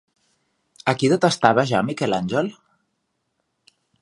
A qui detestava ja Miquel Àngel?